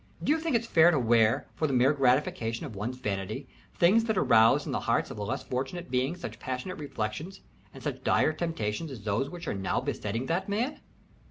Do you think it's fair to wear, for the mere gratification of one's vanity, things that arouse in the hearts of less fortunate beings such passionate reflections and such dire temptations as those which are now besetting that man?"